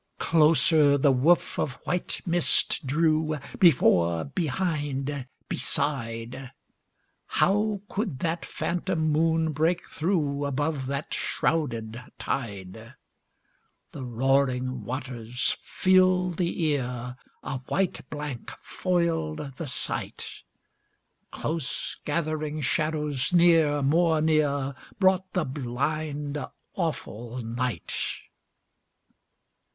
Closer the woof of white mist drew, Before, behind, beside. How could that phantom moon break through, Above that shrouded tide? The roaring waters filled the ear, A white blank foiled the sight. Close gathering shadows near, more near, Brought the blind, awful night.